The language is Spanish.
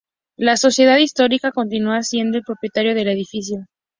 La Sociedad Histórica continúa siendo el propietario del edificio.